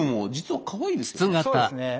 そうですね